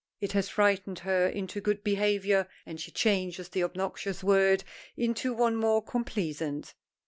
It has frightened her into good behavior, and she changes the obnoxious word into one more complaisant.